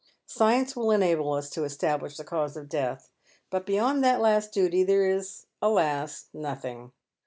Science will enable ug to establish the cause of death, but beyond that last duty there is, alas ! nothing.